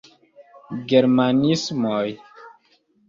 Germanismoj?